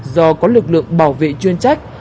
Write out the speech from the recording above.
do có lực lượng bảo vệ chuyên trách